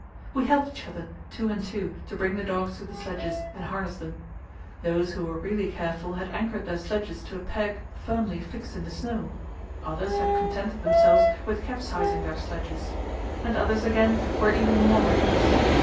We helped each other, two and two, to bring the dogs to the sledges and harness them. Those who were really careful had anchored their sledges to a peg firmly fixed in the snow; others had contented themselves with capsizing their sledges; and others, again, were even more reckless.